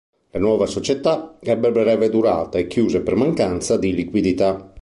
La nuova società ebbe breve durata e chiuse per mancanza di liquidità.